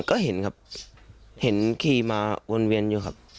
ก็เห็นครับเห็นขี่มาวนเวียนอยู่ครับ